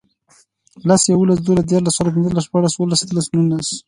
لس, یوولس, دوولس, دیرلس، څورلس, پنځلس, شپاړس, اووهلس, اتهلس, نونس